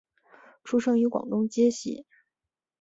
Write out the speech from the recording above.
出生于广东揭西。